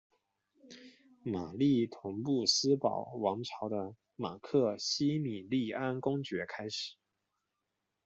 玛丽同哈布斯堡王朝的马克西米利安公爵开始。